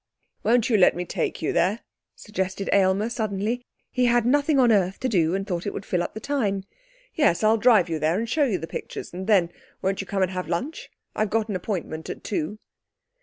'Won't you let me take you there?' suggested Aylmer suddenly. He had nothing on earth to do, and thought it would fill up the time. 'Yes! I'll drive you there and show you the pictures. And then, wouldn't you come and have lunch? I've got an appointment at two.'